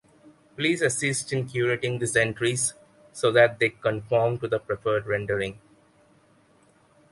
Please assist in curating these entries so that they conform to the preferred rendering.